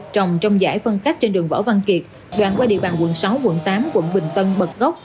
trồng trong giải phân cách trên đường võ văn kiệt đoạn qua địa bàn quận sáu quận tám quận bình tân bật gốc